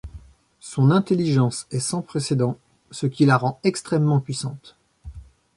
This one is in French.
Son intelligence est sans précédent, ce qui la rend extrêmement puissante.